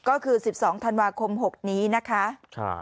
ก็คือ๑๒ธันวาคม๖นี้นะคะ